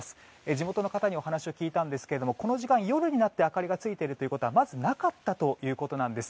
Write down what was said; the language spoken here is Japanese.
地元の方にお話を聞いたんですがこの時間、夜になって明かりがついていることはまずなかったということなんです。